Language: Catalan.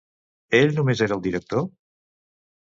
Ell només era el director?